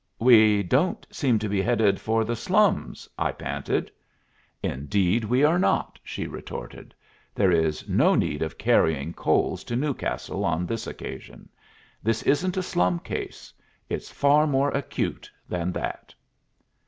"We don't seem to be headed for the slums," I panted. "Indeed, we are not," she retorted. "There is no need of carrying coals to Newcastle on this occasion. This isn't a slum case. It's far more acute than that."